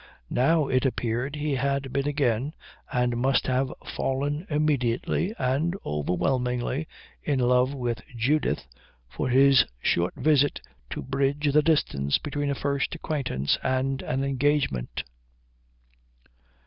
Now it appeared he had been again, and must have fallen immediately and overwhelmingly in love with Judith for his short visit to bridge the distance between a first acquaintance and an engagement.